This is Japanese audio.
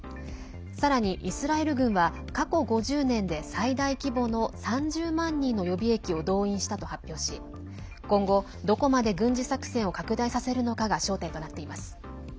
さらに、イスラエル軍は過去５０年で最大規模の３０万人の予備役を動員したと発表し、今後どこまで軍事作戦を拡大させるのかが焦点となっています。